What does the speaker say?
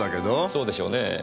そうでしょうねぇ。